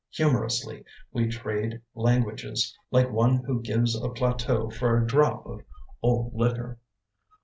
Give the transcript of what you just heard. Humorously we trade Languages, like one who gives a plateau For a drop of old liquor!